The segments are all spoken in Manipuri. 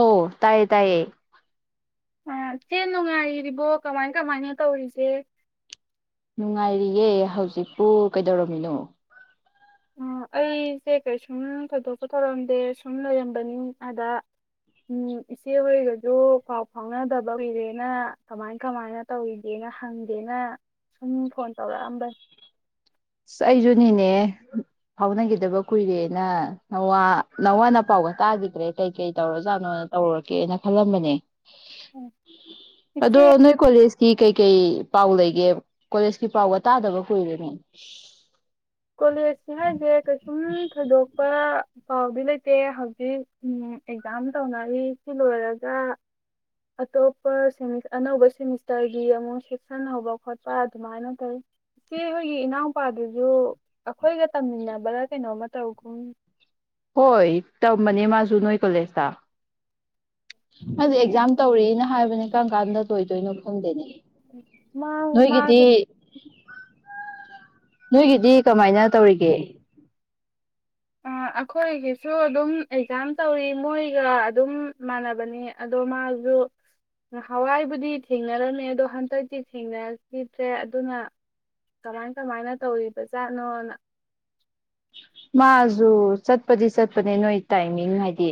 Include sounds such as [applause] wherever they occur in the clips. ꯑꯣ ꯇꯥꯏꯌꯦ ꯇꯌꯦ꯫ ꯑ ꯆꯦ ꯅꯨꯡꯉꯥꯏꯔꯤꯕꯣ ꯀꯃꯥꯏ ꯀꯃꯥꯏꯅ ꯇꯧꯔꯤꯁꯦ ꯅꯨꯡꯉꯥꯏꯔꯤꯌꯦꯦ ꯍꯧꯖꯤꯛꯄꯨ ꯀꯩꯗꯧꯔꯝꯃꯤꯅꯣ ꯑꯩꯁꯦ ꯀꯩꯁꯨꯝ ꯊꯣꯏꯗꯣꯛꯄ ꯊꯧꯔꯝꯗꯦ ꯁꯨꯝ ꯂꯩꯔꯝꯕꯅꯤ ꯑꯗ ꯏꯆꯦ ꯍꯔꯒꯁꯨ ꯄꯥꯎ ꯐꯥꯎꯅꯗꯕ ꯑꯣꯏꯔꯦꯅ ꯀꯃꯥꯏ ꯀꯃꯥꯏꯅ ꯇꯧꯔꯤꯒꯦꯅ ꯍꯪꯒꯦꯅ ꯁꯨꯝ ꯐꯣꯟ ꯇꯧꯔꯛꯑꯝꯕꯅꯤ ꯑꯁ ꯑꯩꯁꯨꯅꯤꯅꯦ ꯐꯥꯎꯅꯈꯤꯗꯕ ꯀꯨꯏꯔꯦꯅ ꯅꯋꯥ ꯅꯋꯥ ꯅ ꯄꯥꯎꯒ ꯇꯥꯈꯤꯗ꯭ꯔꯦ ꯀꯩ ꯀꯩ ꯇꯧꯔꯣꯖꯥꯠꯅꯣ ꯇꯧꯔꯀꯦꯅ ꯈꯜꯂꯝꯕꯅꯦ ꯑꯗꯣ ꯏꯆꯦ ꯅꯣꯏ ꯀꯣꯂꯦꯖꯀꯤ ꯀꯩ ꯀꯩ ꯄꯥꯎ ꯂꯩꯒꯦ ꯀꯣꯂꯦꯖꯀꯤ ꯄꯥꯎꯒ ꯇꯥꯗꯕ ꯀꯨꯏꯔꯦꯅꯦ꯫ [inaudible] ꯀꯣꯂꯦꯖꯁꯀꯤ ꯍꯥꯏꯁꯦ ꯀꯩꯁꯨꯝ ꯊꯣꯏꯗꯣꯛꯄ ꯄꯥꯎꯗꯤ ꯂꯩꯇꯦ ꯍꯧꯖꯤꯛ ꯎꯝ ꯑꯦꯛꯖꯥꯝ ꯇꯧꯅꯔꯤ ꯁꯤ ꯂꯣꯏꯔꯒ ꯑꯇꯣꯞꯄ ꯁꯦꯃꯤꯁ ꯑꯅꯧꯕ ꯁꯦꯃꯤꯁꯇꯔꯒꯤ ꯑꯃꯨꯛ ꯁꯦꯛꯁꯟ ꯍꯧꯕ ꯈꯣꯠꯄ ꯑꯗꯨꯃꯥꯏꯅꯃꯨꯛ ꯇꯧꯏ꯫ ꯏꯆꯦ ꯍꯣꯏꯒꯤ ꯏꯅꯥꯎꯄꯥꯗꯨꯁꯨ ꯑꯩꯈꯣꯏꯒ ꯇꯝꯃꯤꯟ ꯅꯕꯥꯔꯥ ꯀꯩꯅꯣꯝꯃ ꯇꯧꯒꯨꯝ ꯍꯣꯏ ꯇꯝꯕꯅꯦ ꯃꯥꯁꯨ ꯅꯣꯏ ꯀꯣꯂꯦꯁ ꯇꯥ ꯈꯪꯗꯦ ꯑꯦꯛꯖꯥꯝ ꯇꯧꯔꯤꯅ ꯍꯥꯏꯕꯅꯤ ꯀꯔꯝ ꯀꯥꯟꯗ ꯂꯣꯏꯗꯣꯏꯅꯣ ꯈꯪꯗꯦꯅꯦ꯫ ꯃꯥ ꯅꯣꯏꯒꯤꯗꯤ ꯃꯥꯁꯨ ꯅꯣꯏꯒꯤꯗꯤ ꯀꯃꯥꯏꯅ ꯇꯧꯔꯤꯒꯦ? ꯑꯥ ꯑꯩꯈꯣꯏꯒꯤꯁꯨ ꯑꯗꯨꯝ ꯑꯦꯛꯖꯥꯝ ꯇꯧꯔꯤ ꯃꯣꯏꯒ ꯑꯗꯨꯝ ꯃꯥꯟꯅꯕꯅꯤ ꯑꯗꯣ ꯃꯥꯖꯨ ꯅꯥꯍꯋꯥꯏꯕꯨꯗꯤ ꯊꯦꯡꯅꯔꯝꯃꯦ ꯑꯗꯣ ꯍꯟꯗꯛꯇꯤ ꯊꯦꯡꯅꯈꯤꯗ꯭ꯔꯦ ꯑꯗꯨꯅ ꯀꯃꯥꯏ ꯀꯃꯥꯏꯅ ꯇꯧꯔꯤꯕꯖꯥꯠꯅꯣꯅ꯫ ꯃꯥꯖꯨ ꯆꯠꯄꯗꯤ ꯆꯠꯄꯅꯦ ꯅꯣꯏ ꯇꯥꯏꯃꯤꯡ ꯍꯥꯏꯗꯤ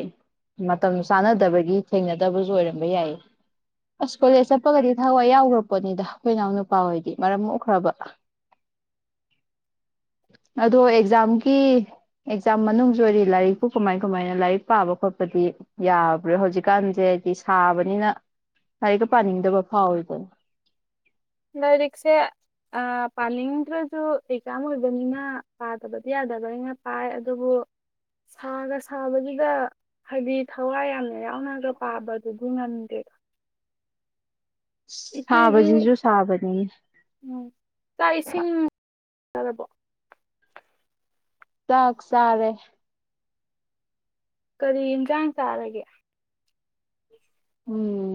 ꯃꯇꯝ ꯆꯥꯅꯗꯕꯒꯤ ꯊꯦꯡꯅꯗꯕꯁꯨ ꯑꯣꯏꯔꯝꯕ ꯌꯥꯏꯌꯦ꯫ ꯑꯁ ꯀꯣꯂꯦꯖ ꯆꯠꯄꯒꯗꯤ ꯊꯋꯥꯏ ꯌꯥꯎꯈ꯭ꯔꯄꯣꯠꯅꯤꯗ ꯑꯩꯈꯣꯏ ꯏꯅꯥꯎ ꯅꯨꯄꯥ ꯍꯣꯏꯗꯤ ꯃꯔꯝ ꯃꯣꯛꯈꯔꯥꯕꯥ꯫ ꯑꯗꯣ ꯑꯦꯛꯖꯥꯝ ꯏ ꯑꯦꯛꯖꯥꯝ ꯃꯅꯨꯡꯖꯨ ꯑꯣꯏꯔꯤ ꯂꯥꯏꯔꯤꯛꯄꯨ ꯀꯃꯥꯏ ꯀꯃꯥꯏꯅ ꯂꯥꯏꯔꯤꯛ ꯄꯥꯕꯔꯣ ꯈꯣꯠ ꯈꯣꯠꯄꯗꯤ ꯌꯥꯕꯔꯥ ꯍꯧꯖꯤꯛꯀꯥꯟꯁꯦ ꯍꯥꯏꯗꯤ ꯁꯥꯕꯅꯤꯅ ꯂꯥꯏꯔꯤꯛꯀꯥ ꯄꯥꯅꯤꯡꯗꯕ ꯐꯥꯎꯋꯤꯀꯣ꯫ ꯂꯥꯏꯔꯤꯛꯁꯦ ꯑꯥ ꯄꯥꯅꯤꯡꯗ꯭ꯔꯥꯖꯨ ꯑꯦꯛꯖꯥꯝ ꯑꯣꯏꯕꯅꯤꯅ ꯄꯥꯗꯕꯗꯤ ꯌꯥꯗꯕꯅꯤꯅ ꯄꯥꯏ ꯑꯗꯨꯕꯨ ꯁꯥꯒ ꯁꯥꯕꯗꯨꯗ ꯍꯥꯏꯗꯤ ꯊꯋꯥꯏ ꯌꯥꯝꯅ ꯌꯥꯎꯅꯒ ꯄꯥꯕꯗꯨꯕꯨ ꯉꯝꯗꯦꯗ꯫ ꯏꯆꯦꯗꯤ ꯁꯥꯕꯁꯤꯁꯨ ꯁꯥꯕꯅꯤ꯫ ꯇꯔꯥꯕꯣ? ꯇꯥꯛ ꯆꯥꯔꯦ꯫ ꯀꯔꯤ ꯍꯤꯟꯖꯥꯡ ꯆꯥꯔꯒꯦ? ꯎꯝ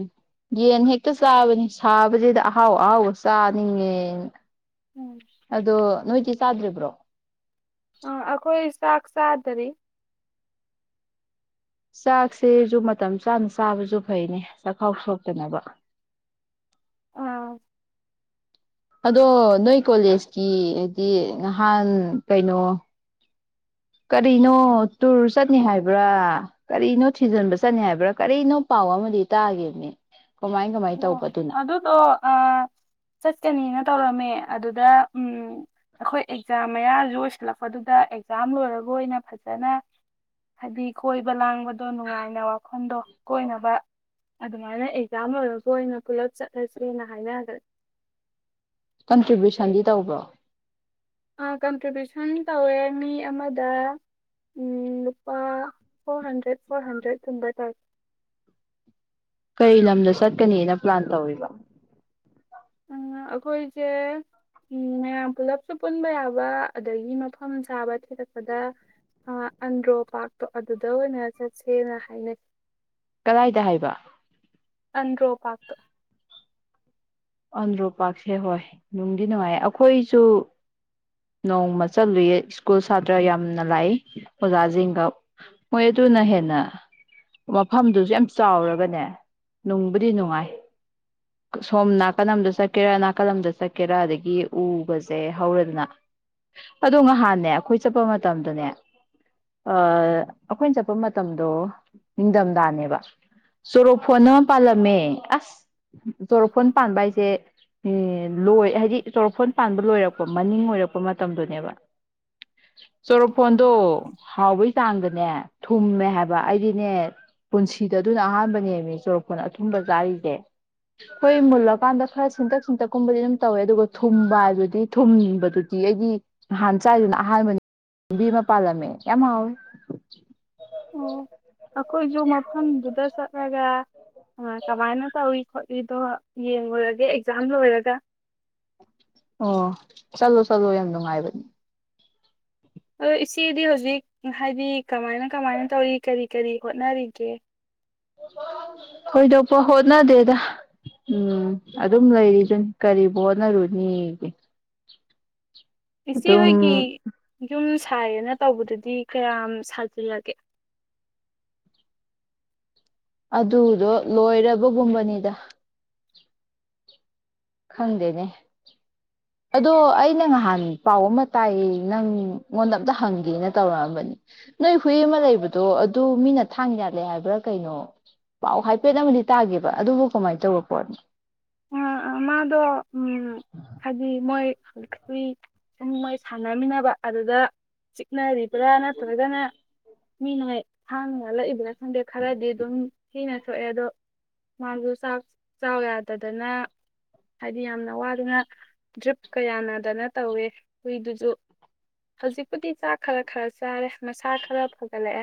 ꯌꯦꯟ ꯍꯦꯛꯇ ꯆꯥꯕꯅꯤ ꯁꯥꯕꯁꯤꯗ ꯑꯍꯥꯎ ꯑꯍꯥꯎꯕ ꯆꯥ ꯅꯤꯡꯉꯦꯅ꯫ ꯑꯗꯣ ꯅꯣꯏꯗꯤ ꯇꯥꯗꯔꯤꯕꯥꯔꯣ? ꯑ ꯑꯩꯈꯣꯏ ꯆꯥꯛ ꯆꯥꯗꯥꯔꯤ꯫ ꯆꯥꯛꯁꯦꯁꯨ ꯃꯇꯝ ꯆꯥꯅ ꯆꯥꯕꯁꯨ ꯐꯩꯅꯦ ꯆꯈꯥꯎ ꯁꯣꯛꯇꯅꯕ꯫ ꯑꯥ ꯑꯥꯁ ꯑꯗꯣ ꯅꯣꯏ ꯀꯣꯂꯦꯖꯀꯤ ꯑꯥꯗꯤ ꯅꯍꯥꯟ ꯀꯩꯅꯣ ꯀꯔꯤꯅꯣ ꯇꯨꯔ ꯆꯠꯅꯤ ꯍꯥꯏꯕ꯭ꯔꯥ ꯀꯔꯤꯅꯣ ꯊꯤꯖꯤꯟꯕ ꯆꯠꯅꯤ ꯍꯥꯏꯕ꯭ꯔꯥ ꯀꯔꯤꯅꯣ ꯄꯥꯎ ꯑꯃꯗꯤ ꯇꯥꯒꯤꯕꯅꯤ꯫ ꯑꯣ ꯑꯗꯨꯗꯣ ꯑ ꯆꯠꯀꯅꯤꯅ ꯇꯧꯔꯝꯃꯦ‌ ꯑꯗꯨꯗ ꯎꯝ ꯑꯩꯈꯣꯏ ꯑꯦꯛꯖꯥꯝ ꯃꯌꯥꯖꯨ ꯑꯣꯏꯁꯤꯜꯂꯛꯄꯗꯨꯗ ꯑꯦꯛꯖꯥꯝ ꯂꯣꯏꯔꯒ ꯑꯣꯏꯅ ꯐꯖꯅ ꯍꯥꯏꯗꯤ ꯀꯣꯏꯕ ꯂꯥꯡꯕ ꯑꯗꯣ ꯅꯨꯡꯉꯥꯏꯅ ꯋꯈꯣꯡꯗꯣ ꯀꯣꯏꯅꯕ ꯑꯗꯨꯃꯥꯏꯅ ꯑꯦꯛꯖꯥꯝ ꯂꯣꯏꯔꯝ ꯑꯣꯏꯅꯥ ꯄꯨꯜꯂꯞ ꯆꯠꯂꯁꯦꯅ ꯍꯥꯏꯅꯒꯔꯦ꯫ ꯀꯟꯇ꯭ꯔꯤꯕ꯭ꯌꯨꯁꯟꯗꯤ ꯇꯧꯕ꯭ꯔꯣ? ꯑꯥ ꯀꯟꯇ꯭ꯔꯤꯕ꯭ꯌꯨꯁꯟ ꯇꯧꯋꯦ ꯃꯤ ꯑꯃꯗ ꯎꯝ ꯂꯨꯄꯥ ꯐꯣꯔ ꯍꯟꯗ꯭ꯔꯦꯠ ꯐꯣꯔ ꯍꯟꯗ꯭ꯔꯦꯠꯀꯨꯝꯕ ꯇꯧꯋꯦ꯫ ꯀꯩ ꯂꯝꯗ ꯆꯠꯀꯅꯤꯅ ꯄ꯭ꯂꯥꯟ ꯇꯧꯔꯤꯕ? ꯑꯉꯥ ꯑꯩꯈꯣꯏꯁꯦ ꯎꯝ ꯃꯌꯥꯝ ꯄꯨꯂꯞꯁꯨ ꯄꯨꯟꯕ ꯌꯥꯕ ꯑꯗꯒꯤ ꯃꯐꯝ ꯆꯥꯕ ꯊꯤꯔꯛꯄꯗ ꯑꯥ ꯑꯟꯗ꯭ꯔꯣ ꯄꯥꯔꯛꯇꯣ ꯑꯗꯨꯗ ꯑꯣꯏꯅ ꯆꯠꯁꯦꯅ ꯍꯥꯏꯅꯩꯩ꯫ ꯀꯗꯥꯏꯗ ꯍꯥꯏꯕ ꯑꯟ꯭ꯔꯣ ꯄꯇ ꯑꯟꯗ꯭ꯔꯣ ꯄꯥꯔꯁꯦ ꯍꯣꯏ ꯅꯨꯡꯗꯤ ꯅꯨꯡꯉꯥꯏ ꯑꯩꯈꯣꯏꯁꯨ ꯅꯣꯡꯃ ꯆꯠꯂꯨꯏꯌꯦ ꯁ꯭ꯀꯨꯜ ꯁꯥꯇ꯭ꯔ ꯌꯥꯝꯅ ꯂꯥꯛꯏ ꯑꯣꯖꯥꯁꯤꯡꯒ ꯃꯣꯏ ꯑꯗꯨꯅ ꯍꯦꯟꯅ ꯃꯐꯝꯗꯨꯁꯨ ꯌꯥꯝ ꯆꯥꯎꯔꯒꯅꯦ ꯅꯨꯡꯕꯨꯗꯤ ꯅꯨꯡꯉꯥꯏ ꯁꯣꯝꯅ ꯅꯥꯀꯜꯂꯝ ꯑꯃꯗ ꯆꯠꯀꯦꯔꯥ ꯅꯥꯀꯜꯂꯝ ꯑꯃꯗ ꯆꯠꯀꯦꯔꯥ ꯑꯗꯒꯤ ꯎꯕꯁꯦ ꯍꯧꯔꯦꯗꯅ ꯑꯗꯣ ꯉꯍꯥꯟꯅꯦ ꯑꯩꯈꯣꯏ ꯆꯠꯄ ꯃꯇꯝ ꯃꯇꯝꯗꯨꯅꯦ ꯑꯩꯈꯣꯏꯅ ꯆꯠꯄ ꯃꯇꯝꯗꯣ ꯅꯤꯡꯊꯝꯗꯥꯥꯅꯦꯕ ꯆꯣꯔꯣꯛ ꯐꯣꯟ ꯑꯃ ꯄꯥꯜꯂꯝꯃꯦ ꯑꯁ ꯣꯔꯣꯛꯐꯣꯟ ꯄꯥꯟꯕ ꯍꯥꯏꯁꯦ ꯁꯦ ꯂꯣꯏ ꯍꯥꯏꯗꯤ ꯆꯣꯔꯣꯛꯐꯣꯟ ꯄꯥꯟꯕ ꯂꯣꯏꯔꯛꯄ ꯃꯅꯤꯡ ꯑꯣꯏꯔꯛꯄ ꯃꯇꯝꯗꯨꯅꯦꯕ ꯆꯣꯔꯣꯛꯐꯣꯟꯗꯣ ꯍꯥꯎꯕꯒꯤ ꯆꯥꯡꯗꯅꯦ ꯊꯨꯝꯃꯦ ꯍꯥꯏꯕ ꯑꯩꯗꯤꯅꯦ ꯄꯨꯟꯁꯤꯗ ꯑꯗꯨꯅ ꯑꯍꯥꯟꯕꯅꯦꯃꯤ ꯆꯣꯔꯣꯛꯐꯣꯟ ꯑꯊꯨꯝꯕ ꯆꯥꯔꯤꯁꯦ ꯑꯩꯈꯣꯏ ꯃꯨꯜꯂꯀꯥꯟꯗ ꯈꯔ ꯁꯤꯦꯟꯇꯛ ꯁꯤꯟꯇꯛꯀꯨꯝꯕꯗꯤ ꯑꯗꯨꯝ ꯇꯧꯋꯦ ꯑꯗꯨꯒ ꯊꯨꯝꯕ ꯍꯥꯏꯗꯨꯗꯤ ꯊꯨꯝꯕꯗꯨꯗꯤ ꯑꯩꯗꯤ ꯅꯍꯥꯟ ꯆꯥꯏꯗꯨꯅ ꯑꯍꯥꯟꯕ ꯂꯝꯕꯤ ꯑꯃ ꯄꯥꯜꯂꯝꯃꯦ ꯌꯥꯝ ꯍꯥꯎꯋꯤ ꯑꯣ ꯑꯩꯈꯣꯏꯁꯨ ꯃꯐꯝꯗꯨꯗ ꯆꯠꯂꯒ ꯑ ꯀꯃꯥꯏꯅ ꯇ ꯑꯩꯗꯣ ꯌꯦꯡꯉꯨꯔꯒꯦ ꯑꯦꯛꯖꯥꯝ ꯂꯣꯏꯔꯒ ꯑꯣ ꯆꯠꯂꯣ ꯆꯠꯂꯣ ꯌꯥꯝ ꯅꯨꯡꯉꯥꯏꯕꯅꯦ ꯑ ꯏꯆꯦꯗꯤ ꯍꯧꯖꯤꯛ ꯍꯥꯏꯗꯤ ꯀꯃꯥꯏꯅ ꯀꯃꯥꯏꯅ ꯇꯧꯔꯤ ꯀꯔꯤ ꯀꯔꯤ ꯍꯣꯠꯅꯔꯤꯒꯦ ꯊꯣꯏꯗꯣꯛꯄ ꯍꯣꯠꯅꯗꯦꯗ ꯎꯝ ꯑꯗꯨꯝ ꯂꯩꯔꯤꯗꯨꯅꯤ ꯀꯔꯤꯕꯨ ꯍꯣꯠꯅꯔꯨꯅꯤꯒꯤ ꯏꯆꯦꯍꯣꯏꯒꯤ ꯌꯨꯝ ꯁꯥꯏꯌꯦꯅ ꯇꯧꯕꯗꯗꯤ ꯀꯌꯥꯝ ꯁꯥꯖꯤꯜꯂꯒꯦ ꯑꯗꯨꯗꯣ ꯂꯣꯏꯔꯕꯒꯨꯝꯕꯅꯤꯗ ꯈꯪꯗꯦꯅꯦ ꯑꯗꯣ ꯑꯩꯅ ꯅꯍꯥꯟ ꯄꯥꯎ ꯑꯃ ꯇꯥꯏ ꯅꯪꯉꯣꯟꯗ ꯑꯝꯇ ꯍꯪꯒꯦꯅ ꯇꯧꯔꯛꯑꯝꯕꯅꯤ ꯅꯣꯏ ꯍꯨꯏ ꯑꯃ ꯂꯩꯕꯗꯣ ꯑꯗꯨ ꯃꯤꯅ ꯊꯥꯡ ꯌꯥꯜꯂꯦ ꯍꯥꯏꯕ꯭ꯔꯥ ꯀꯩꯅꯣ ꯄꯥꯎ ꯍꯥꯏꯐꯦꯠ ꯑꯃꯗꯤ ꯇꯥꯒꯦꯕ ꯑꯗꯨꯕꯨ ꯀꯃꯥꯏꯅ ꯇꯧꯕ ꯄꯣꯠꯅꯣ ꯗ ꯎꯝ ꯍꯥꯏꯖꯤꯗꯤ ꯃꯣꯏ ꯍꯧꯖꯤꯛꯇꯤ ꯁꯨꯝ ꯃꯣꯏ ꯁꯥꯟꯅꯃꯤꯟꯅꯕ ꯑꯗꯨꯗ ꯅꯔꯤꯕ꯭ꯔꯥ ꯅꯠꯇꯗꯅ ꯃꯤꯅ ꯍꯥꯡꯂ ꯑꯗꯨ꯭ꯔꯦ ꯈꯪꯗꯦ ꯈꯔꯗꯤ ꯑꯗꯨꯝ ꯍꯅ ꯊꯣꯛꯑꯦ ꯑꯗꯣ ꯃꯥꯡꯁꯨ ꯆꯥꯛ ꯆꯥꯎ ꯌꯥꯗ ꯇꯗꯅ ꯍꯥꯏꯗꯤ ꯌꯥꯝꯅ ꯋꯥꯗꯨꯅ ꯗ꯭ꯔꯤꯞ ꯀꯌꯥꯅꯗꯅ ꯇꯧꯋꯦ ꯍꯨꯏꯗꯨꯁꯨ ꯍꯧꯖꯤꯛꯄꯨꯗꯤ ꯆꯥꯛ ꯈꯔ ꯈꯔ ꯆꯥꯔꯦ ꯃꯁꯥ ꯈꯔ ꯐꯒꯅꯦ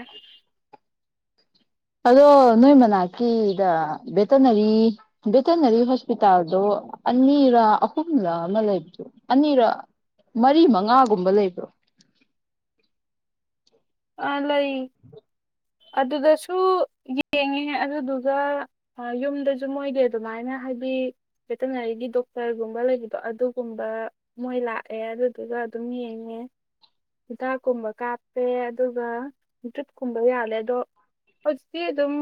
ꯑꯗꯣ ꯅꯣꯏ ꯃꯅꯥꯛꯀꯤꯗ ꯚꯦꯇꯅꯔꯤ ꯚꯦꯇꯅꯔꯤ ꯍꯣꯁꯄꯤꯇꯥꯜꯗꯣ ꯑꯅꯤꯔ ꯑꯍꯨꯝꯂꯛ ꯑꯃ ꯂꯩꯕꯗꯣ ꯑꯅꯤꯔ ꯃꯔꯤ ꯃꯉꯥꯒꯨꯝꯕ ꯂꯩꯕ꯭ꯔꯣ ꯑ ꯂꯩ ꯑꯗꯨꯗꯁꯨ ꯌꯦꯡꯉꯦ ꯑꯗꯨꯗꯨꯒ ꯌꯨꯝꯗꯁꯨ ꯃꯣꯏꯗꯤ ꯑꯗꯨꯃꯥꯏꯅ ꯍꯥꯏꯗꯤ ꯚꯦꯇꯤꯅꯔꯤꯒꯤ ꯗꯣꯛꯇꯔꯒꯨꯝꯕ ꯂꯩꯕꯗꯣ ꯑꯗꯨꯒꯨꯝꯕ ꯃꯣꯏ ꯂꯥꯛꯑꯦ ꯑꯗꯨꯗꯨꯒ ꯑꯗꯨꯝ ꯌꯦꯡꯉꯦ ꯍꯤꯗꯥꯛꯀꯨꯝꯕ ꯀꯥꯞꯄꯦ ꯑꯗꯨꯒ ꯗ꯭ꯔꯤꯞꯀꯨꯝꯕ ꯌꯥꯜꯂꯦ ꯑꯗꯣ ꯍꯧꯖꯤꯛꯇꯤ ꯑꯗꯨꯝ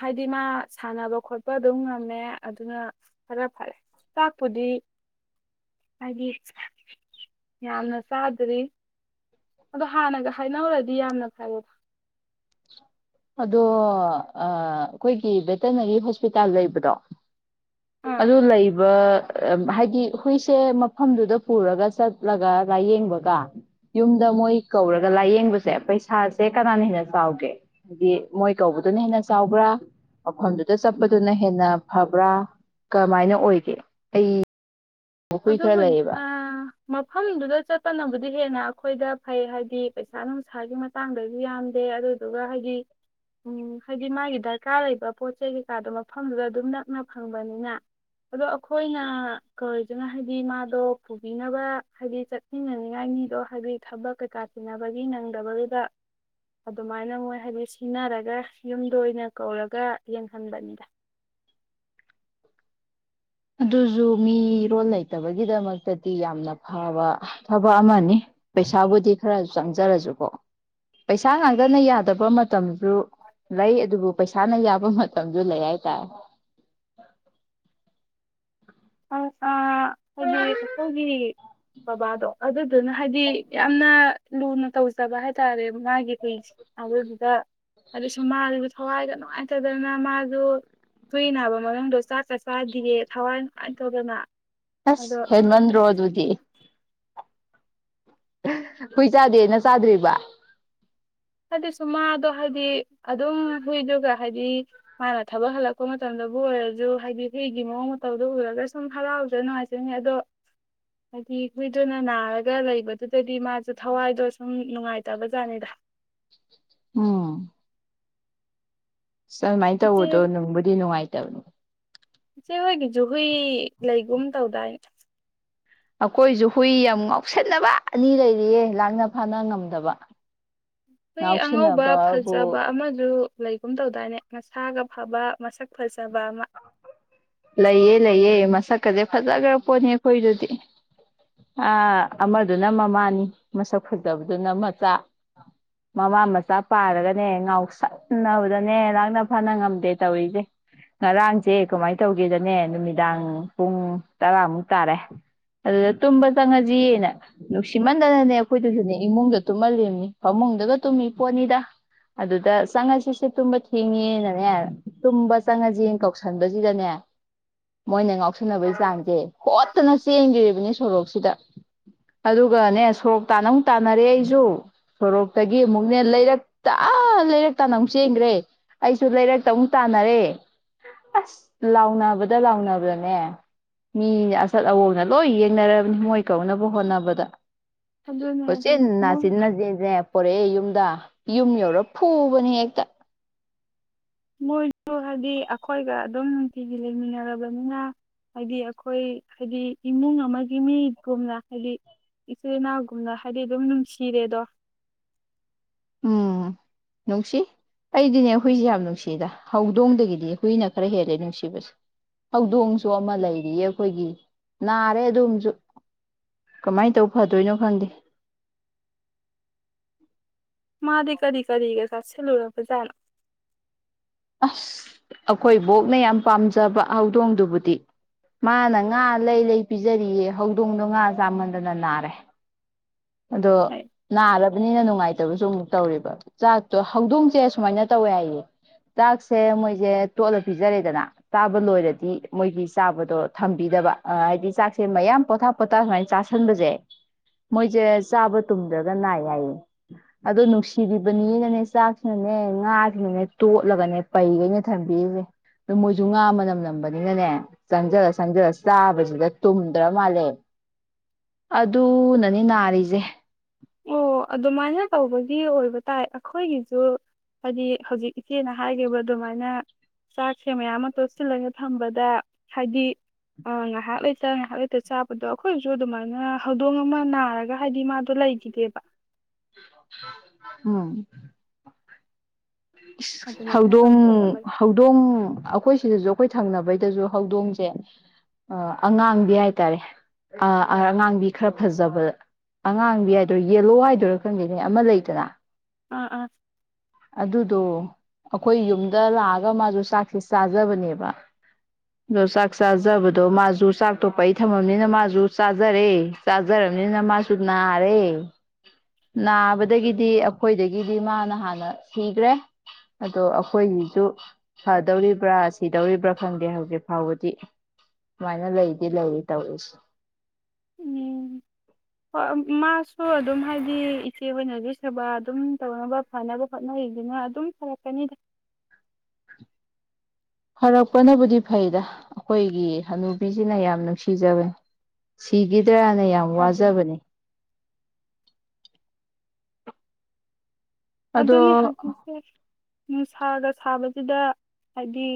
ꯍꯥꯏꯗꯤ ꯃꯥ ꯁꯥꯟꯅꯕ ꯈꯣꯠꯄ ꯑꯗꯨꯝ ꯉꯝꯃꯦ ꯑꯗꯨꯅ ꯈꯔ ꯐꯔꯦ ꯆꯥꯛꯄꯨꯗꯤ ꯍꯥꯏꯗꯤ ꯌꯥꯝꯅ ꯆꯥꯗ꯭ꯔꯤ ꯑꯗꯣ ꯍꯥꯟꯅꯒ ꯍꯥꯏꯅꯧꯔꯗꯤ ꯗꯤ ꯌꯥꯝꯅ ꯐꯔꯦꯕ ꯑꯗꯣ ꯑꯩꯈꯣꯏꯒꯤ ꯚꯦꯇꯅꯔꯤ ꯍꯣꯁꯄꯤꯇꯥꯜ ꯂꯩꯕꯗꯣ ꯑꯥ ꯑꯗꯨ ꯂꯩꯕ ꯑ ꯍꯥꯏꯗꯤ ꯑꯩꯈꯣꯏꯁꯦ ꯃꯐꯝꯗꯨꯗ ꯄꯨꯔꯒ ꯆꯠꯂꯒ ꯂꯥꯏꯌꯦꯡꯕꯒ ꯌꯨꯝꯗ ꯃꯣꯏ ꯀꯧꯔꯒ ꯂꯥꯏꯌꯦꯡꯕꯁꯦ ꯄꯩꯁꯥꯁꯦ ꯀꯅꯥꯅ ꯍꯦꯟꯅ ꯆꯥꯎꯒꯦ ꯍꯥꯏꯗꯤ ꯃꯣꯏ ꯀꯧꯕꯗꯨꯅ ꯍꯦꯟꯅ ꯆꯥꯎꯕ꯭ꯔꯥ ꯃꯐꯝꯗꯨꯗ ꯆꯠꯄꯗꯨꯅ ꯍꯦꯟꯅ ꯐꯕ꯭ꯔꯥ ꯀꯃꯥꯏꯅ ꯑꯣꯏꯒꯦ ꯑꯩ ꯍꯨꯏ ꯑꯗꯣ ꯈꯔ ꯂꯩꯌꯦꯕ ꯑ ꯃꯐꯝꯗꯨꯗ ꯆꯠꯇꯅꯕ ꯗꯤ ꯍꯦꯟꯅ ꯑꯩꯈꯣꯏꯗ ꯐꯩ ꯍꯥꯏꯗꯤ ꯄꯩꯁꯥ ꯅꯨꯡꯁꯥꯒꯤ ꯃꯇꯥꯡꯗꯁꯨ ꯌꯥꯝꯗꯦ ꯑꯗꯨꯗꯨꯒ ꯍꯥꯏꯗꯤ ꯎꯝ ꯍꯥꯏꯗꯤ ꯃꯥꯒꯤ ꯗꯔꯀꯥꯔ ꯂꯩꯕ ꯄꯣꯠ ꯆꯩ ꯀꯩꯀꯥꯗꯣ ꯃꯐꯝꯗꯨꯗ ꯑꯗꯨꯝ ꯅꯛꯅ ꯐꯪꯕꯅꯤꯅ ꯑꯗꯣ ꯑꯩꯈꯣꯏꯅ ꯀ ꯑꯗꯨꯅ ꯍꯥꯏꯗꯤ ꯃꯥꯗꯣ ꯄꯨꯕꯤꯅꯕ ꯍꯥꯏꯗꯤ ꯆꯠꯃꯤꯟꯅꯅꯤꯡꯉꯥꯏ ꯃꯤꯗꯣ ꯍꯥꯏꯗꯤ ꯊꯕꯛ ꯀꯩꯀꯥ ꯊꯤꯟꯅꯕꯒꯤ ꯅꯪꯗꯕꯗꯨꯗ ꯑꯗꯨꯃꯥꯏꯅ ꯃꯣꯏ ꯍꯥꯏꯗꯤ ꯁꯤꯟꯅꯔꯒ ꯌꯨꯝꯗ ꯑꯣꯏꯅ ꯀꯧꯔꯒ ꯌꯦꯡꯍꯟꯕꯅꯤꯗ ꯑꯗꯨ ꯑꯗꯨꯁꯨꯨ ꯃꯤ ꯔꯣꯜ ꯂꯩ ꯂꯩꯇꯕꯒꯤꯗꯃꯛꯇꯗꯤ ꯌꯥꯝꯅ ꯐꯕ ꯊꯕꯛ ꯑꯃꯅꯤ ꯄꯩꯁꯥꯕꯨꯗꯤ ꯈꯔ ꯆꯪꯖꯔꯁꯨꯀꯣ ꯄꯩꯁꯥ ꯉꯥꯛꯇꯅ ꯌꯥꯗꯕ ꯃꯇꯝ ꯂꯩ ꯑꯗꯨꯕꯨ ꯄꯩꯁꯥꯅ ꯌꯥꯕ ꯃꯇꯝꯗꯨ ꯂꯩ ꯍꯥꯏꯇꯥꯔꯦ ꯑ ꯍꯥꯏꯗꯤ ꯀꯆꯧꯒꯤ ꯕꯕꯥꯗꯣ ꯑꯗꯨꯗꯨꯅ ꯍꯥꯏꯗꯤ ꯌꯥꯝꯅ ꯂꯨꯅ ꯇꯧꯖꯕ ꯍꯥꯏꯇꯥꯔꯦ ꯉꯒꯦ ꯀꯗꯨꯗ ꯑꯗꯨꯗ ꯁꯨꯃ ꯍꯋꯥꯏꯗ ꯅꯨꯡꯉꯥꯏꯇꯗꯅ ꯃꯥꯗꯨꯣ ꯀꯨꯏ ꯅꯥꯕ ꯃꯔꯗꯣ ꯆꯥꯛ ꯆꯥꯛꯆꯥꯥ ꯔꯦ ꯊꯋꯥꯟ ꯑ ꯊꯧꯗꯅ ꯑꯁ ꯍꯦꯃꯟ ꯔꯣ ꯑꯗꯨ ꯎꯗꯤ ꯍꯨꯏ ꯆꯥꯗꯦꯅ ꯆꯥꯗ꯭ꯔꯤꯕ ꯍꯥꯏꯗꯤ ꯁ ꯃꯥꯗꯣ ꯍꯥꯏꯗꯤ ꯑꯗꯨꯝ ꯍꯨꯏꯗꯨꯒ ꯍꯥꯏꯗꯤ ꯃꯥꯅ ꯊꯕꯛ ꯍꯜꯂꯛꯄ ꯃꯇꯝꯗꯕꯨ ꯑꯣꯏꯔꯁꯨ ꯍꯥꯏꯗꯤ ꯍꯨꯏꯒꯤ ꯃꯑꯣꯡ ꯃꯇꯧꯗꯣ ꯎꯔꯒ ꯁꯨꯝ ꯍꯔꯥꯎꯖ ꯅꯨꯡꯉꯥꯏꯖꯅꯤ ꯑꯗꯣ ꯍꯥꯏꯗꯤ ꯍꯨꯏꯗꯨꯅ ꯅꯥꯔꯒ ꯂꯩꯕꯗꯨꯗꯗꯤ ꯃꯥꯁꯨ ꯊꯋꯥꯏꯗꯣ ꯁꯨꯝ ꯅꯨꯡꯉꯥꯏꯇꯕꯖꯥꯠꯅꯤꯗ ꯑ ꯑꯗꯨꯃꯥꯏꯅ ꯏꯆꯦ ꯇꯧꯕꯗꯣ ꯅꯅꯨꯡꯕꯨꯗꯤ ꯅꯨꯡꯉꯥꯏꯇꯦ ꯇ ꯏꯆꯦ ꯍꯣꯏꯒꯤꯁꯨꯨ ꯍꯨꯏ ꯂꯩꯒꯨꯝ ꯇꯧꯗꯥꯏ ꯑꯩꯈꯣꯏꯁꯨ ꯍꯨꯏ ꯌꯥꯝ ꯉꯥꯎꯁꯟꯅꯕ ꯑꯅꯤ ꯂꯩꯔꯤꯌꯦ ꯂꯥꯡꯅ ꯐꯥꯅ ꯉꯝꯗꯕ ꯑꯩꯈꯣꯏ ꯑꯉꯧꯕ ꯐꯖꯕ ꯉꯥꯎꯁꯤꯟꯅꯕꯕꯨ ꯑꯃꯁꯗꯨ ꯂꯩꯒꯨꯝ ꯇꯧꯗꯥꯏꯅꯦ ꯉꯁꯥꯒ ꯐꯕ ꯃꯁꯛ ꯐꯖ ꯂꯩꯌꯦ ꯂꯩꯌꯦ ꯃꯁꯛ ꯆꯀꯁꯦ ꯐꯖꯈ꯭ꯔ ꯄꯣꯠꯅꯤ ꯑꯩꯈꯣꯏꯗꯨꯗꯤ ꯑꯃꯗꯨꯅ ꯃꯃꯥꯅꯤ ꯃꯁꯛ ꯐꯨꯗꯕꯗꯨꯅ ꯃꯆꯥ ꯃꯃꯥ ꯃꯆꯥ ꯄꯥꯔꯒꯅꯦ ꯉꯥꯎꯁꯕꯗꯅꯦ ꯉꯥꯛꯅ ꯐꯅ ꯉꯝꯗꯦ ꯇꯧꯔꯤꯁꯦ ꯉꯔꯥꯡꯁꯦ ꯀꯃꯥꯏꯅ ꯇꯧꯒꯦꯗꯅꯦ ꯅꯨꯃꯤꯗꯥꯡ ꯄꯨꯡ ꯇꯔꯥꯃꯨꯛ ꯇꯥꯔꯦ ꯑꯗꯨꯗ ꯇꯨꯝꯕ ꯆꯪꯉꯁꯤꯅ ꯅꯨꯡꯁꯤꯃꯟꯗꯅꯅꯦ ꯑꯩꯈꯣꯏꯗꯨꯁꯨꯅꯦ ꯏꯃꯨꯡꯗ ꯇꯨꯝꯍꯜꯂꯤꯕꯅꯤ ꯐꯃꯨꯡꯗꯒ ꯇꯨꯝꯃꯤ ꯄꯣꯠꯅꯤꯗ ꯑꯗꯨꯗ ꯆꯪꯉꯁꯤꯁꯦ ꯇꯨꯝꯕ ꯊꯦꯡꯉꯦꯅꯅꯦ ꯇꯨꯝꯕ ꯆꯪꯉꯁꯤ ꯏꯆꯦꯡ ꯀꯧꯁꯟꯕꯁꯤꯗꯅꯦ ꯃꯣꯏꯅ ꯉ ꯆꯥꯛꯁꯤꯟꯅꯕꯒꯤ ꯆꯥꯡꯁꯦ ꯍꯣꯠꯇꯅ ꯆꯦꯟꯗꯔꯤꯕꯅꯦ ꯁꯣꯔꯣꯛꯁꯤꯗ ꯑꯗꯨꯒꯅꯦ ꯁꯣꯔꯣꯛ ꯇꯥꯅ ꯑꯃꯨꯛ ꯇꯥꯅꯔꯦ ꯑꯩꯁꯨ ꯁꯣꯔꯣꯛꯇꯒꯤ ꯑꯃꯨꯛꯅꯦ ꯂꯩꯔꯛꯇ ꯂꯩꯔꯛ ꯇꯥꯅ ꯑꯃꯨꯛ ꯆꯦꯟꯈ꯭ꯔꯦ ꯑꯩꯁꯨ ꯂꯩꯔꯛꯇ ꯑꯃꯨꯛ ꯇꯥꯅꯔꯦ ꯑꯁ ꯂꯥꯎꯅꯕꯗ ꯂꯥꯎꯅꯕꯅꯦ ꯃꯤ ꯑꯆꯠ ꯑꯋꯣꯡꯅ ꯂꯣꯏ ꯌꯦꯡꯅꯔꯕꯅꯤ ꯃꯣꯏ ꯀꯧꯅꯕ ꯍꯣꯠꯅꯕꯗ ꯑꯗꯨꯅꯦ ꯄꯁꯦ ꯑꯗꯨꯅꯤ ꯅꯅꯥ ꯃꯣꯏ ꯁꯤ ꯍꯣꯔꯛꯑꯦ ꯌꯨꯝꯗ ꯌꯨꯝ ꯌꯧꯔ ꯐꯨꯕꯅꯦ ꯍꯦꯛꯇ ꯃꯣꯏꯁꯨ ꯍꯥꯏꯗꯤ ꯑꯩꯈꯣꯏꯒ ꯑꯗꯨꯝ ꯅꯨꯡꯇꯤꯒꯤ ꯂꯩꯃꯤꯟꯅꯔꯕꯅꯤꯅ ꯍꯥꯏꯗꯤ ꯑꯩꯈꯣꯏ ꯍꯥꯏꯗꯤ ꯏꯃꯨꯡ ꯑꯃꯒꯤ ꯃꯤꯒꯨꯝꯅ ꯍꯥꯏꯗꯤ ꯏꯆꯤꯜ ꯏꯅꯥꯎꯒꯨꯝꯅ ꯍꯥꯏꯕꯗꯤ ꯑꯗꯨꯝ ꯅꯨꯡꯁꯤꯔꯦꯗꯣ ꯎꯝ ꯅꯨꯡꯁꯤ ꯑꯩꯗꯤꯅꯦ ꯍꯨꯏꯁꯦ ꯌꯥꯝ ꯅꯨꯡꯁꯤꯗ ꯍꯧꯗꯣꯡꯗꯒꯤꯗꯤ ꯍꯨꯏꯅ ꯈꯔ ꯍꯦꯜꯂꯦ ꯅꯨꯡꯁꯤꯕꯁꯦ ꯍꯧꯗꯣꯡꯁꯨ ꯑꯃ ꯂꯩꯔꯤꯌꯦ ꯑꯩꯈꯣꯏꯒꯤ ꯅꯥꯔꯦ ꯑꯗꯨꯝꯁꯨ ꯀꯃꯥꯏꯅ ꯇꯧ ꯐꯗꯣꯏꯅꯣ ꯈꯪꯗꯦ ꯃꯥꯗꯤ ꯀꯔꯤ ꯀꯔꯤꯒ ꯆꯠꯁ ꯂꯨꯔ ꯐꯖꯥꯏꯅ ꯑꯁ ꯑꯩꯈꯣꯏ ꯕꯣꯛꯅ ꯌꯥꯝ ꯄꯥꯝꯖꯕ ꯍꯧꯗꯣꯡꯗꯨꯕꯨꯗꯤ ꯃꯥꯅ ꯉꯥ ꯂꯩ ꯂꯩ ꯄꯤꯖꯔꯤꯌꯦ ꯍꯧꯗꯣꯡꯗꯣ ꯉꯥ ꯆꯥꯃꯟꯗꯅ ꯅꯥꯔꯦ ꯑꯗꯣ ꯅꯥꯔꯕꯅꯤꯅ ꯅꯨꯡꯉꯥꯏꯇꯕꯁꯨ ꯑꯃꯨꯛ ꯇꯧꯕ ꯆꯥꯛꯇꯣ ꯍꯧꯗꯣꯡꯁꯦ ꯁꯨꯃꯥꯏꯅ ꯇꯧꯋꯦ ꯍꯥꯏꯌꯦ ꯆꯥꯛꯁꯦ ꯃꯣꯏꯁꯦ ꯇꯣꯠꯂ ꯄꯤꯖꯔꯦꯗꯅ ꯇꯥꯕ ꯂꯣꯏꯔꯗꯤ ꯃꯣꯏꯒꯤ ꯆꯥꯕꯗꯣ ꯊꯝꯕꯤꯗꯕ ꯍꯥꯏꯗꯤ ꯆꯥꯛꯁꯦ ꯃꯌꯥꯝ ꯄꯣꯊꯥ ꯄꯣꯊꯥ ꯁꯨꯃꯥꯏꯅ ꯆꯥꯥꯁꯟꯕꯁꯦꯣꯏ ꯁꯦ ꯆꯥꯕ ꯇꯨꯝꯗ꯭ꯔꯒ ꯅꯥꯏ ꯌꯥꯏꯌꯦ ꯑꯗꯨꯣ ꯅꯨꯡꯁꯤꯕꯤꯕꯅꯤꯅꯅꯦ ꯆꯥꯛꯁꯤꯅꯅꯦ ꯉꯥꯁꯤꯅꯅꯦ ꯇꯣꯠꯂꯒꯅꯦ ꯄꯩꯈꯩꯅ ꯊꯝꯕꯤꯔꯤꯁꯦ ꯑꯗꯨ ꯃꯣꯏꯁꯨ ꯉꯥ ꯃꯅꯝ ꯅꯝꯕꯅꯤꯅꯅꯦ ꯆꯪꯁꯤꯜꯂ ꯆꯪꯁꯤꯜꯂ ꯆꯥꯕꯁꯤꯗ ꯇꯨꯝꯗ꯭ꯔ ꯃꯥꯜꯂꯦ ꯑꯗꯨꯅꯅꯦ ꯅꯥ ꯂꯩꯔꯤꯁꯦ ꯑꯣ ꯑꯗꯨꯃꯥꯏꯅ ꯇꯧꯕꯒꯤ ꯑꯣꯏꯕ ꯇꯥꯏ ꯑꯩꯈꯣꯏꯒꯤꯁꯨ ꯍꯥꯏꯗꯤ ꯍꯧꯖꯤꯛ ꯏꯆꯦꯅ ꯍꯥꯏꯈꯤꯕ ꯑꯗꯨꯃꯥꯏꯅ ꯆꯥꯛꯁꯦ ꯃꯌꯥꯝ ꯑꯃ ꯇꯣꯠꯁꯤꯜꯂꯒ ꯊꯝꯕꯗ ꯍꯥꯏꯗꯤ ꯉꯥꯏꯍꯥꯛ ꯂꯩꯇ ꯉꯥꯏꯍꯥꯛ ꯂꯩꯇ ꯆꯥꯕꯗꯣ ꯑꯩꯈꯣꯏꯁꯨ ꯑꯗꯨꯃꯥꯏꯅ ꯍꯧꯗꯣꯡ ꯑꯃ ꯅꯥꯔꯒ ꯍꯥꯏꯗꯤ ꯃꯥꯗꯣ ꯂꯩꯒ ꯗꯦꯕ ꯎꯝ ꯑꯗꯨꯃꯥꯏꯅ ꯍꯧꯗꯣꯡ ꯇꯧꯕ ꯑꯣꯏꯔꯝꯃꯅꯤ ꯍꯧꯗꯣꯡ ꯑꯩꯈꯣꯏ ꯁꯤꯗꯁꯨ ꯑꯩꯈꯣꯏ ꯊꯪꯅꯕꯩꯗꯁꯨ ꯍꯧꯗꯣꯡꯁꯦ ꯑꯉꯥꯡꯕꯤ ꯍꯥꯏꯇꯥꯔꯦ ꯑꯉꯥꯡꯕꯤ ꯈꯔ ꯐꯖꯕ ꯑꯉꯥꯡꯕꯤ ꯍꯥꯏꯗꯣꯏꯔꯥ ꯌꯦꯂꯣ ꯍꯥꯏꯗꯣꯏꯔꯥ ꯈꯪꯗꯩꯅꯦ ꯑꯃ ꯂꯩꯇꯅ ꯑ ꯑꯥ ꯑꯗꯨꯗꯣ ꯑꯩꯈꯣꯏ ꯌꯨꯝꯗ ꯂꯥꯛꯑꯒ ꯃꯥꯁꯨ ꯆꯥꯛꯁꯦ ꯆꯥꯖꯕꯅꯦꯕ ꯑꯗꯣ ꯆꯥꯛ ꯆꯥꯖꯕꯗꯣ ꯃꯥꯁꯨ ꯆꯥꯛꯇꯣꯄꯩ ꯊꯝꯃꯕꯅꯤꯅ ꯃꯥꯁꯨ ꯆꯥꯖꯔꯦ ꯆꯥꯖꯔꯕꯅꯤꯅ ꯃꯥꯁꯨ ꯅꯥꯔꯦ ꯅꯥꯕꯗꯒꯤꯗꯤ ꯑꯩꯈꯣꯏꯗꯒꯤꯗꯤ ꯃꯥꯅ ꯍꯥꯟꯅ ꯁꯤꯈ꯭ꯔꯦ ꯑꯗꯣ ꯑꯩꯈꯣꯏꯒꯤꯁꯨ ꯐꯗꯧꯔꯤꯕ꯭ꯔꯥ ꯁꯤꯗꯧꯔꯤꯕ꯭ꯔꯥ ꯈꯪꯗꯦ ꯍꯧꯖꯤꯛ ꯐꯥꯎꯕꯗꯤ ꯁꯨꯃꯥꯏꯅ ꯂꯩꯗꯤ ꯂꯩꯔꯤ ꯇꯧꯔꯤꯁꯤ ꯎꯝ ꯍꯣꯏ ꯃꯥꯁꯨ ꯑꯗꯨꯝ ꯍꯥꯏꯗꯤ ꯏꯆꯦ ꯍꯣꯏꯅꯒꯤ ꯁꯦꯕꯥ ꯑꯗꯨꯝ ꯇꯧꯅꯕ ꯐꯅꯕ ꯍꯣꯠꯅꯔꯤꯗꯨꯅ ꯑꯗꯨꯝ ꯐꯔꯛꯀꯅꯤꯗ ꯐꯔꯛꯄꯅꯕꯨꯗꯤ ꯐꯩꯗ ꯑꯩꯈꯣꯏꯒꯤ ꯍꯅꯨꯕꯤꯁꯤꯅ ꯌꯥꯝ ꯅꯨꯡꯁꯤꯖꯕꯦ ꯁꯤꯒꯤ ꯇꯔꯥꯅ ꯌꯥꯝ ꯑꯗꯨꯅꯤ ꯋꯥꯖꯕꯅꯤ ꯑꯗꯣ ꯑꯅꯦ ꯍꯥꯏꯁꯦ ꯅꯨꯡꯁꯥꯒ ꯁꯥꯕꯁꯤꯗ ꯍꯥꯏꯗꯤ